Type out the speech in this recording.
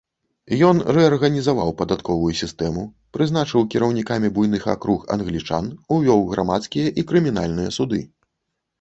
Ён рэарганізаваў падатковую сістэму, прызначыў кіраўнікамі буйных акруг англічан, увёў грамадзянскія і крымінальныя суды.